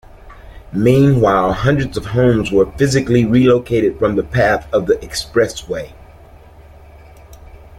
Meanwhile, hundreds of homes were physically relocated from the path of the expressway.